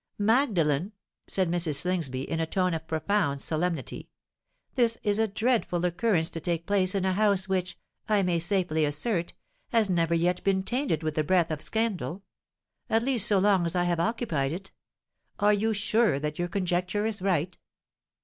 "Magdalen," said Mrs. Slingsby, in a tone of profound solemnity, "this is a dreadful occurrence to take place in a house which, I may safely assert, has never yet been tainted with the breath of scandal—at least so long as I have occupied it. Are you sure that your conjecture is right?"